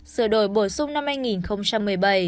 sửa đổi bổ sung năm hai nghìn một mươi bảy